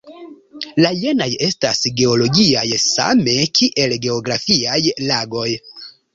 La jenaj estas geologiaj same kiel geografiaj lagoj.